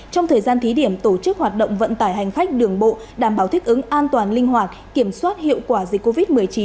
trong thời gian thí điểm tổ chức hoạt động vận tải hành khách đường bộ đảm bảo thích ứng an toàn linh hoạt kiểm soát hiệu quả dịch covid một mươi chín